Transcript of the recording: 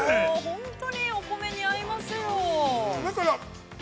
◆本当に、お米に合いますよ。